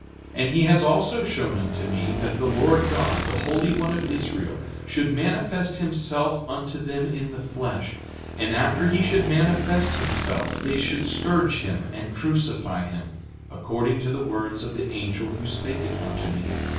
And he also has shown unto me that the Lord God, the Holy One of Israel, should manifest himself unto them in the flesh; and after he should manifest himself they should scourge him and crucify him, according to the words of the angel who spake it unto me.